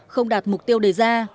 không đạt mục tiêu đề ra